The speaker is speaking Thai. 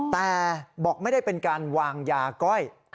แต่บอกไม่ได้เป็นการวางยาก้อย